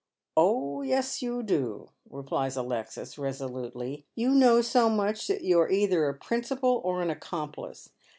" Oh yes, you do," replies Alexis, resolutely. " You know BO much that you are either a principal or an accomplice.